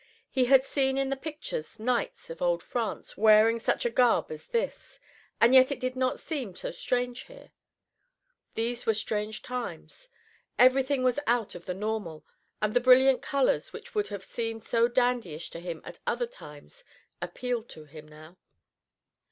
He had seen in the pictures knights of old France wearing such a garb as this, and yet it did not seem so strange here. These were strange times. Everything was out of the normal, and the brilliant colors which would have seemed so dandyish to him at other times appealed to him now.